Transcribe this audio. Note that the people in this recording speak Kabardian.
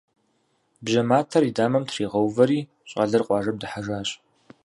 Бжьэ матэр и дамэм тригъэувэри, щӏалэр къуажэм дыхьэжащ.